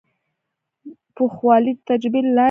پوخوالی د تجربې له لارې راځي.